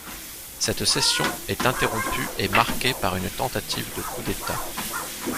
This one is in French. Cette cession est interrompue et marquée par une tentative de coup d'État.